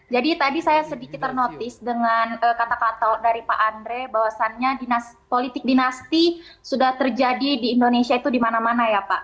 jadi tadi saya sedikit ternotis dengan kata kata dari pak andre bahwasannya politik dinasti sudah terjadi di indonesia itu di mana mana ya pak